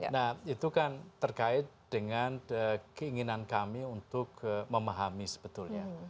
nah itu kan terkait dengan keinginan kami untuk memahami sebetulnya